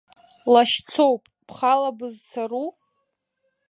Лашьцоуп, бхала бызцару?